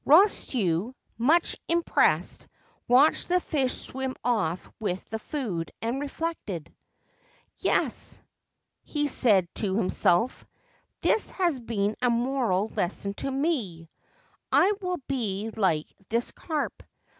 Rosetsu, much impressed, watched the fish swim off with the food, and reflected. * Yes,' he said to himself :* this has been a moral lesson to me. I will be like this carp.